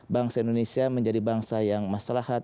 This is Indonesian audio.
bangsa indonesia menjadi bangsa yang maslahat